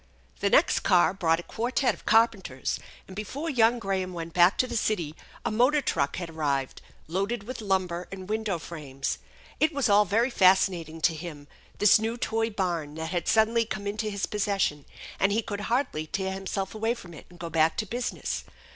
The next car brought a quartette of carpenters, and before young Graham went back to the city a motor truck had 90 THE ENCHANTED BARN 91 arrived loaded with lumber and window frames. It was all very fascinating to him, this new toy barn that had suddenly come into his possession, and he could hardly tear himself away from it and go back to business.